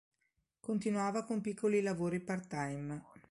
Continuava con piccoli lavori part-time.